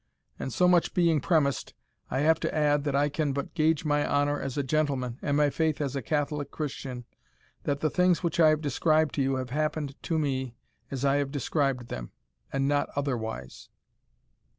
And so much being premised, I have to add, that I can but gage my honour as a gentleman, and my faith as a Catholic Christian, that the things which I have described to you have happened to me as I have described them, and not otherwise."